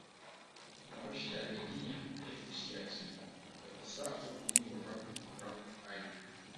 Nnawɔtwe a edi yɛn ayeforohyia akyi no, yɛkɔsraa asafo bi wɔ Rapu Rapu Island.